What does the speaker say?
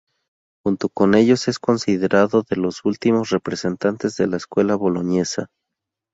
Junto con ellos es considerado de los últimos representantes de la Escuela Boloñesa.